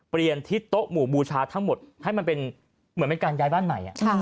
ที่โต๊ะหมู่บูชาทั้งหมดให้มันเป็นเหมือนเป็นการย้ายบ้านใหม่